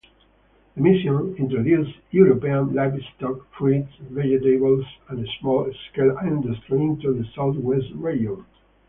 The missions introduced European livestock, fruits, vegetables, and small-scale industry into the Southwest region.